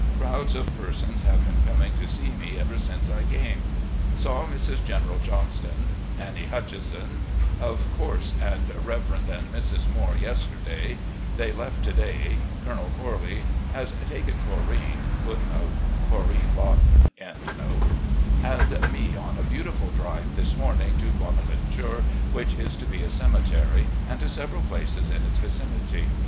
Crowds of persons have been coming to see me ever since I came. Saw Mrs. General Johnston — ^Nannie Hutchenson — of course, and Reverend and Mrs. Moore yesterday. They left to day. ... Colonel Corley has taken Corinne * and me on a beautiful drive this morning to 'Bonaventure,' which is to be a cemetery, and to several places in its vicinity.